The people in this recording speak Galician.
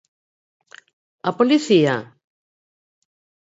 A policía?